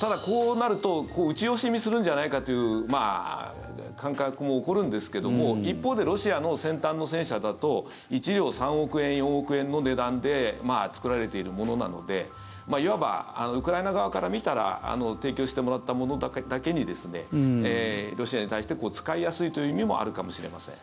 ただ、こうなると撃ち惜しみするんじゃないかという感覚も起こるんですけども一方でロシアの先端の戦車だと１両３億円、４億円の値段で作られているものなのでいわばウクライナ側から見たら提供してもらったものだけにロシアに対して使いやすいという意味もあるかもしれません。